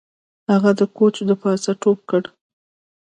هغه د کوچ د پاسه ټوپ کړ